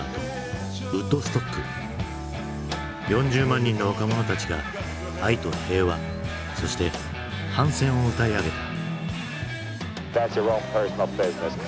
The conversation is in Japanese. ４０万人の若者たちが愛と平和そして反戦を歌い上げた。